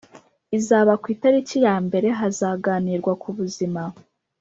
izaba ku itariki ya mbere hazaganirwa kubuzima